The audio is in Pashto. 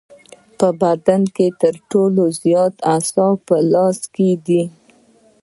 په بدن کې تر ټولو زیات اعصاب په لاسونو کې دي.